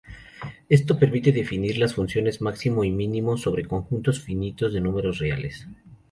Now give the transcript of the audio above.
Esto permite definir las funciones máximo y mínimo sobre conjuntos finitos de números reales.